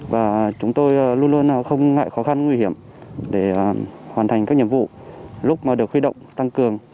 và chúng tôi luôn luôn không ngại khó khăn nguy hiểm để hoàn thành các nhiệm vụ lúc mà được huy động tăng cường